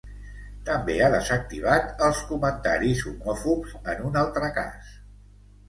També ha desactivat els comentaris homòfobs en un altre cas.